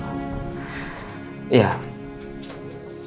ketika saya di dalam